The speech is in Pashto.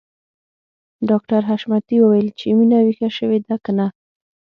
ډاکټر حشمتي وويل چې مينه ويښه شوې ده که نه